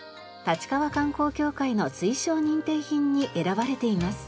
立川観光協会の推奨認定品に選ばれています。